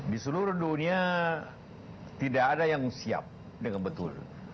di seluruh dunia tidak ada yang siap dengan betul